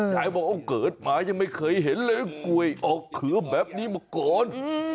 ยายบอกว่าเกิดหมายังไม่เคยเห็นเลยกล้วยออกเขือแบบนี้มาก่อน